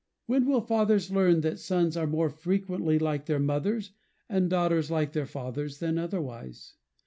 When will fathers learn that sons are more frequently like their mothers, and daughters like their fathers, than otherwise?